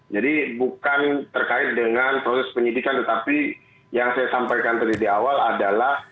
jadi bukan terkait dengan proses penyidikan tetapi yang saya sampaikan tadi di awal adalah